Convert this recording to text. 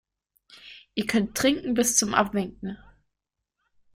Ihr könnt trinken bis zum Abwinken.